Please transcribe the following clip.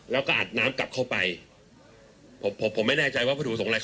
แล้วก็อัดน้ำกลับเข้าไปผมผมไม่แน่ใจว่าพอถูกทรงอะไรข้อ